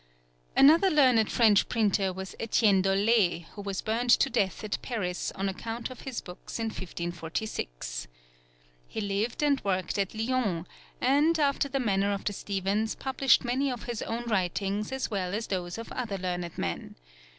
Another learned French printer was Etienne Dolet, who was burned to death at Paris on account of his books in 1546. He lived and worked at Lyons, and, after the manner of the Stephens, published many of his own writings as well as those of other learned men.